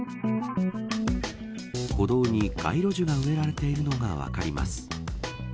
歩道に街路樹が植えられているのが分かります。